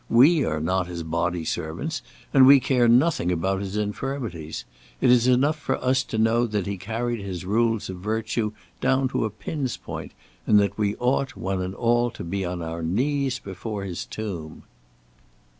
We are not his body servants, and we care nothing about his infirmities. It is enough for us to know that he carried his rules of virtue down to a pin's point, and that we ought, one and all, to be on our knees before his tomb."